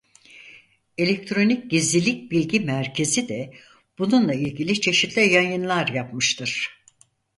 Elektronik Gizlilik Bilgi Merkezi de bununla ilgili çeşitli yayınlar yapmıştır.